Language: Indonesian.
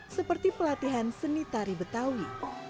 seperti pelatihan seni tari betawi